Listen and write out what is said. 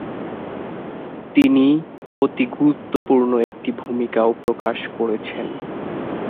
তিনি অতি গুরুত্বপূর্ণ একটি ভূমিকাও প্রকাশ করেছেন ।